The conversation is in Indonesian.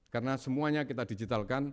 karena semuanya kita digitalkan